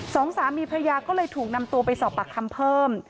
สองสามีภรรยาก็เลยถูกนำตัวไปสอบปากคำเพิ่ม